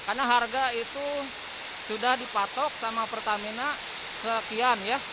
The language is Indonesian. karena harga itu sudah dipatok sama pertamina sekian ya